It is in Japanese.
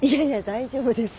大丈夫です。